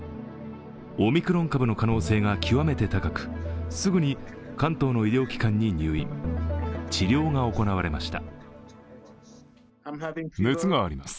オミクロン株の可能性が極めて高く、すぐに関東の医療機関に入院、治療が行われました。